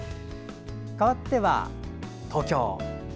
かわっては東京。